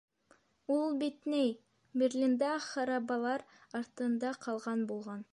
Ул бит, ней, Берлинда харабалар аҫтында ҡалған булған.